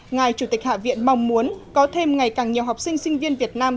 ngài chủ tịch hạ viện mong muốn có thêm ngày càng nhiều học sinh sinh viên việt nam